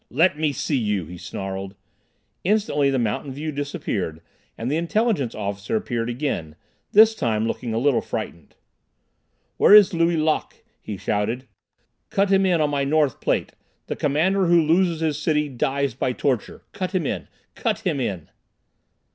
"Let me see you!" he snarled. Instantly the mountain view disappeared and the Intelligence Officer appeared again, this time looking a little frightened. "Where is Lui Lok?" he shouted. "Cut him in on my north plate. The commander who loses his city dies by torture. Cut him in. Cut him in!"